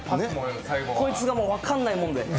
こいつが分からないもんで。